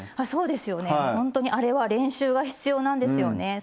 あそうですよね。ほんとにあれは練習が必要なんですよね。